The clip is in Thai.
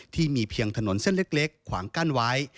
ที่มีเพียงถนนเส้นเล็กขวางกั้นไว้